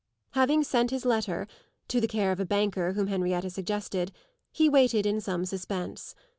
Having sent his letter (to the care of a banker whom Henrietta suggested) he waited in some suspense.